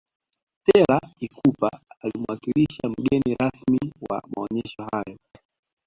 stella ikupa alimuwakilisha mgeni rasmi wa maonesho hayo